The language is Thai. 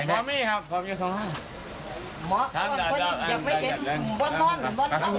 หมอมี่ครับประวัติเยี่ยม๒๕